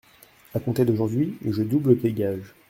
A compter d’aujourd’hui, je double tes gages.